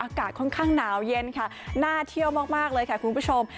อากาศค่อนข้างหนาวเย็นค่ะน่าเที่ยวมากเลยค่ะคุณผู้ชม